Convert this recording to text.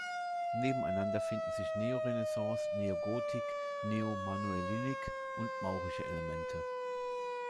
Nebeneinander finden sich Neorenaissance, Neogotik, Neo-Manuelinik und maurische Elemente.